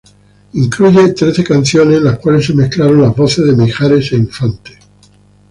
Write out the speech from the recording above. Incluye trece canciones en las cuales se mezclaron las voces de Mijares e Infante.